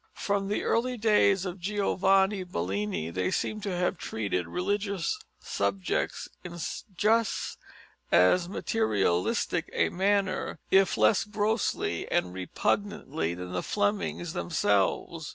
From the early days of Giovanni Bellini they seem to have treated religious subjects in just as materialistic a manner, if less grossly and repugnantly, than the Flemings themselves.